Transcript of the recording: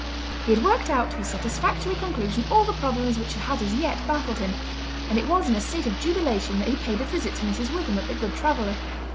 He had worked out to a satisfactory conclusion all the problems which had as yet baffled him, and it was in a state of jubilation that he paid a visit to Mrs. Witham at "The Good Traveller".